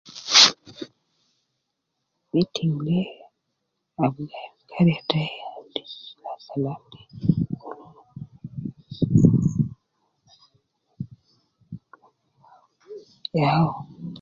Meeting de ab gi gai fi kariya tai ya wede ,ya kalam de, ya wo